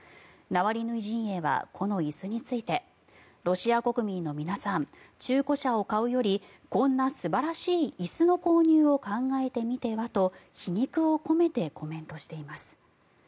ナワリヌイ陣営はこの椅子についてロシア国民の皆さん中古車を買うよりこんな素晴らしい椅子の購入を考えてみてはと皮肉を込めてコメントしています。